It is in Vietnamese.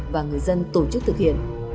và người dân tổ chức thực hiện